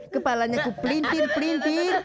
kepalanya ku pelintir pelintir